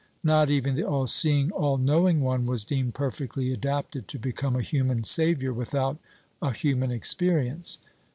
Not even the All seeing, All knowing One was deemed perfectly adapted to become a human Savior without a human experience.